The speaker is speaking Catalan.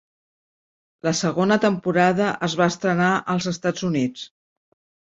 La segona temporada es va estrenar als Estats Units.